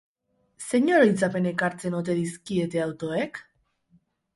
Zein oroitzapen ekartzen ote dizkiete autoek?